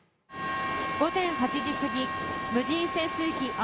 午前８時すぎ無人潜水機